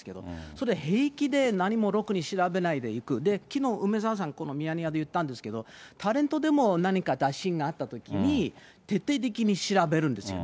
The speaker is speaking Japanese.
それ、平気で何もろくに調べないで行く、で、きのう梅沢さん、このミヤネ屋で言ったんですけど、タレントでも何か打診があったときに、徹底的に調べるんですよ。